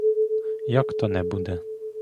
Як то не буде?